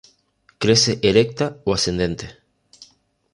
Crece erecta o ascendente.